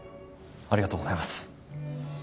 ありがとうございます。